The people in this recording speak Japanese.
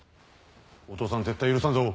お父さん絶対許さんぞ。